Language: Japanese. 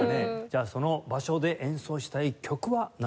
じゃあその場所で演奏したい曲はなんでしょうか？